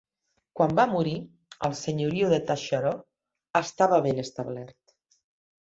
Quan va morir, el senyoriu de Taschereau estava ben establert.